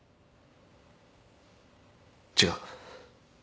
違う。